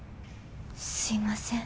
すいません。